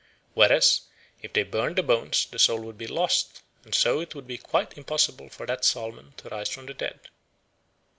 Whereas if they burned the bones the soul would be lost, and so it would be quite impossible for that salmon to rise from the dead.